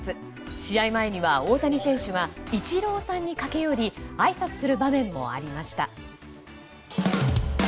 試合前には大谷選手がイチローさんに駆け寄りあいさつする場面もありました。